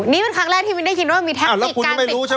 นี่เป็นครั้งแรกที่มีได้ยินว่ามีแท็กติดการติดคุกไม่รู้